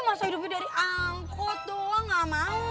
tetep aja masa hidupin dari angkot doang gak mau